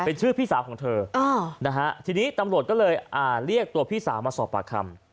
เป็นชื่อพี่สาวของเธอนะฮะทีนี้ตำรวจก็เลยเรียกตัวพี่สาวมาสอบปากคำ